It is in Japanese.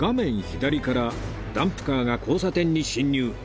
左からダンプカーが交差点に進入